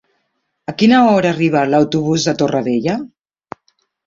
A quina hora arriba l'autobús de Torrevella?